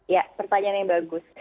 ya pertanyaan yang bagus